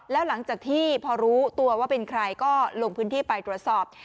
แล้วหลังจากที่พอรู้ตัวว่าเป็นใครก็ลงพื้นที่ไปตรวจสอบ